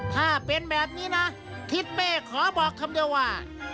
ถ้าเป็นแบบนี้นะทิศเป้ขอบอกคำเดียวว่า